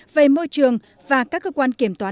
về môi trường và các cơ quan kiểm toán